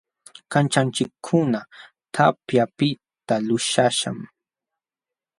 Kanćhanchikkuna tapyapiqta lulaśhqam.